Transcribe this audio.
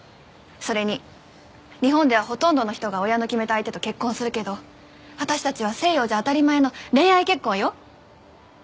それに日本ではほとんどの人が親の決めた相手と結婚するけど私たちは西洋じゃ当たり前の恋愛結婚よ。